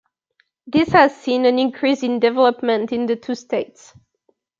This has seen an increase in development in the two states.